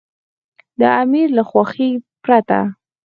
د امیر له خوښې پرته.